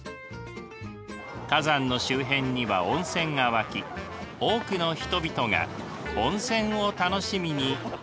火山の周辺には温泉が湧き多くの人々が温泉を楽しみに訪れています。